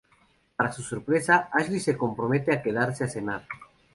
Para su sorpresa, Ashley se compromete a quedarse a cenar.